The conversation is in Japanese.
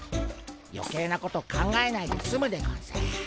余計なこと考えないですむでゴンス。